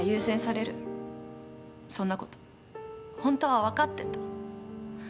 そんなことホントは分かってた。